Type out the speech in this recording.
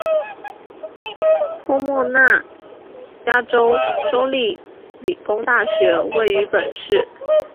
波莫纳加州州立理工大学位于本市。